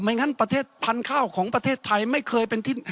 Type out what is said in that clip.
งั้นประเทศพันธุ์ข้าวของประเทศไทยไม่เคยเป็นที่